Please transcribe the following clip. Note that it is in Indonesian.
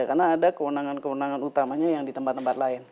karena ada kewenangan kewenangan utamanya yang di tempat tempat lain